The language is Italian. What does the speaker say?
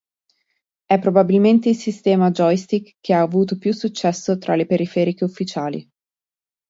È probabilmente il sistema joystick che ha avuto più successo tra le periferiche ufficiali.